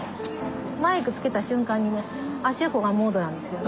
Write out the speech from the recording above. マイクつけた瞬間に芦屋小雁モードなんですよ。